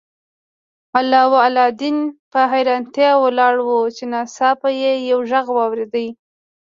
علاوالدین په حیرانتیا ولاړ و چې ناڅاپه یې یو غږ واورید.